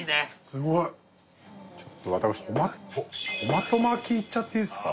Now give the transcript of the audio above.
すごいちょっと私トマト巻いっちゃっていいですか？